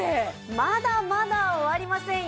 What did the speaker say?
まだまだ終わりませんよ。